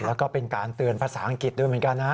แล้วก็เป็นการเตือนภาษาอังกฤษด้วยเหมือนกันนะ